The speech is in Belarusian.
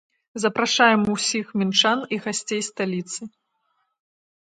Запрашаем усіх мінчан і гасцей сталіцы!